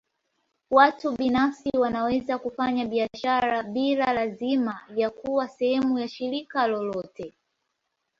Watu binafsi wanaweza kufanya biashara bila lazima ya kuwa sehemu ya shirika lolote.